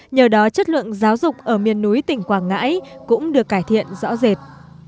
nhờ đó chất lượng giáo dục ở miền núi tỉnh quảng ngãi cũng được cải thiện rõ rệt